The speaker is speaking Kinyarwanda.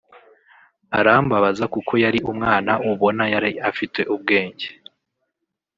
Arambabaza kuko yari umwana ubona yari afite ubwenge